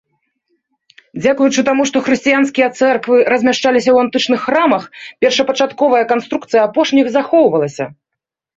Дзякуючы таму, што хрысціянскія цэрквы размяшчаліся ў антычных храмах, першапачатковая канструкцыя апошніх захоўвалася.